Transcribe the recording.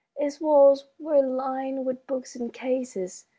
Its walls were lined with books and cases.